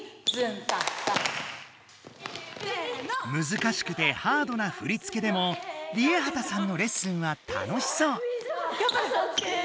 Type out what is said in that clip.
難しくてハードな振り付けでもＲＩＥＨＡＴＡさんのレッスンは楽しそう！